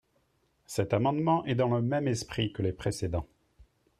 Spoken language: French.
Cet amendement est dans le même esprit que les précédents.